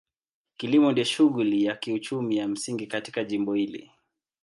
Kilimo ndio shughuli ya kiuchumi ya msingi katika jimbo hili.